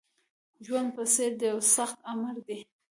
ژوندون په څېر د یوه سخت آمر دی